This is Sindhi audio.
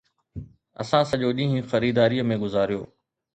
اسان سڄو ڏينهن خريداريءَ ۾ گذاريو